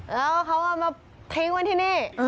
แล้วเขาเอามาทิ้งไว้ที่นี่